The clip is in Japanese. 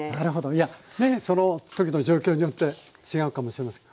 いやねその時の状況によって違うかもしれません。